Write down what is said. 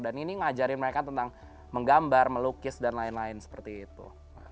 dan ini ngajarin mereka tentang menggambar melukis dan lain lain seperti itu